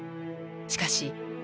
しかし。